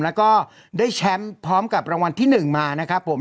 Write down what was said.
แล้วก็ได้แชมป์พร้อมกับรางวัลที่๑มานะครับผม